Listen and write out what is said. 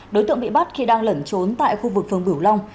đối tượng bị bắt khi đang lẩn trốn tại khu vực phường bửu long